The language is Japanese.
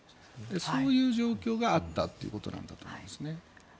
そういう状況があったということなんだと思いますね。